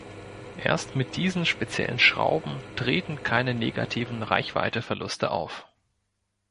Erst mit diesen speziellen Schrauben treten keine negativen Reichweite Verluste auf.